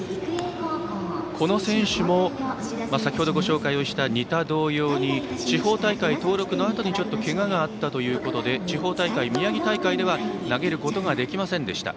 この選手も先程ご紹介をした仁田同様に地方大会登録のあとにけががあったということで地方大会、宮城大会では投げることができませんでした。